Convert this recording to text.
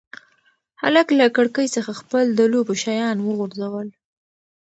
هلک له کړکۍ څخه خپل د لوبو شیان وغورځول.